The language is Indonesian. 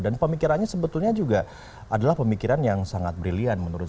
dan pemikirannya sebetulnya juga adalah pemikiran yang sangat brilian